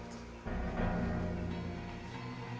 dia sangat cerdik